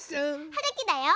はるきだよ。